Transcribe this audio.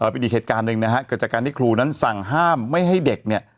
เป็นอีกเหตุการณ์หนึ่งนะฮะเกิดจากการที่ครูนั้นสั่งห้ามไม่ให้เด็กเนี่ย